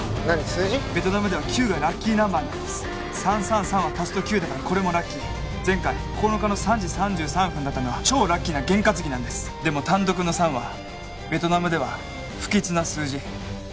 ベトナムでは９がラッキーナンバーなんです３３３は足すと９だからこれもラッキー前回９日の３時３３分だったのは超ラッキーなゲン担ぎなんですでも単独の３はベトナムでは不吉な数字